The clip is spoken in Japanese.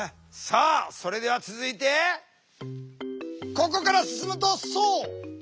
さあそれでは続いてここから進むとそう！